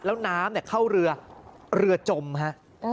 แล้วน้ำเข้าเรือเรือจมฮะ